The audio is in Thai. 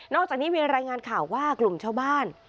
อกจากนี้มีรายงานข่าวว่ากลุ่มชาวบ้าน